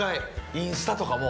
インスタとかも。